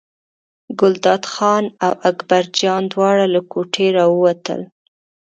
ګلداد خان او اکبرجان دواړه له کوټې راووتل.